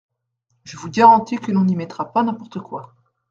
Je vous garantis que l’on n’y mettra pas n’importe quoi.